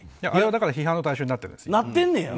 あれはだから批判の対象になってるんです。